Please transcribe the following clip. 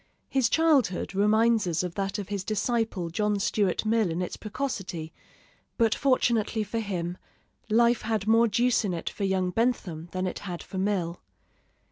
His childhood reminds us of that of his disciple John Stuart Mill in its precocity; but fortunately for him, life had more juice in it for young Bentham than it had for Mill.